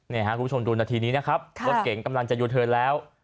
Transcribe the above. นี่ครับคุณผู้ชมดูนาทีนี้นะครับรถเก๋งกำลังจะยูเทิร์นแล้ว